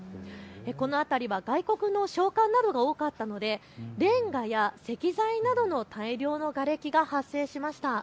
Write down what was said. この辺りは外国の商館なども多かったのでレンガや石材などの大量のがれきが発生しました。